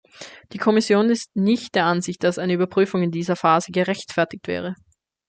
Die Kommission ist nicht der Ansicht, dass eine Überprüfung in dieser Phase gerechtfertigt wäre.